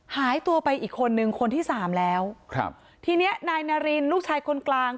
หายตัวไปอีกคนนึงคนที่สามแล้วครับทีเนี้ยนายนารินลูกชายคนกลาง